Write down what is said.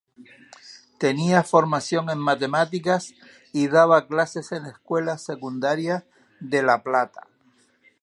Tenía formación en matemáticas, y daba clases en escuelas secundarias de La Plata.